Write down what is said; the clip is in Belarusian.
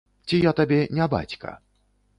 Ці я табе не бацька?